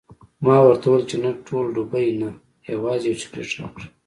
ما ورته وویل چې نه ټول ډبې نه، یوازې یو سګرټ راکړه.